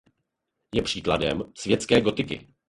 Je příkladem světské gotiky.